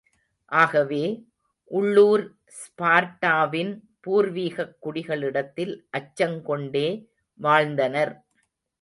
ஆகவே, உள்ளுர் ஸ்பார்ட்டாவின் பூர்விகக் குடிகளிடத்தில் அச்சங் கொண்டே வாழ்ந்தனர்.